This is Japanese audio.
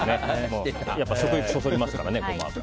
食欲そそりますからね、ゴマ油。